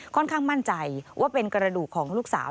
ข้างมั่นใจว่าเป็นกระดูกของลูกสาว